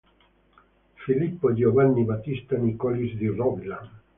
Filippo Giovanni Battista Nicolis di Robilant